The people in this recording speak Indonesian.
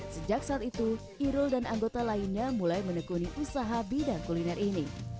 sejak saat itu irul dan anggota lainnya mulai menekuni usaha bidang kuliner ini